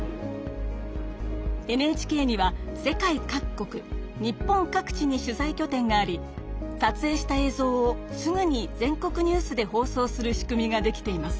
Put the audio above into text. ＮＨＫには世界各国日本各地に取材きょ点がありさつえいした映像をすぐに全国ニュースで放送する仕組みができています。